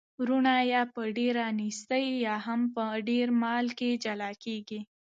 وروڼه یا په ډیره نیستۍ او یا هم په ډیر مال کي جلا کیږي.